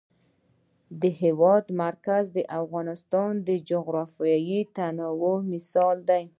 د هېواد مرکز د افغانستان د جغرافیوي تنوع مثال دی.